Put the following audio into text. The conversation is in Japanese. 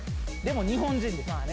でも日本人です。